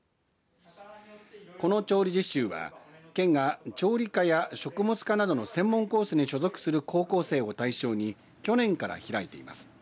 この調理実習は県が調理科や食物科などの専門コースに所属する高校生を対象に去年から開いています。